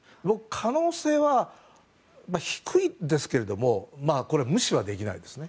可能性は低いですけれども無視はできないですね。